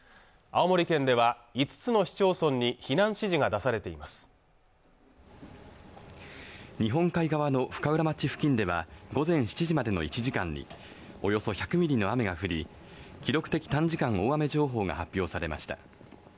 青森県では５つの市町村に避難指示が出されています日本海側の深浦町付近では午前７時までの１時間におよそ１００ミリの雨が降り記録的短時間大雨情報が発表されました